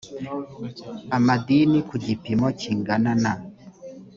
amadini ku gipimo kingana na